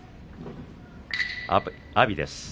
阿炎です。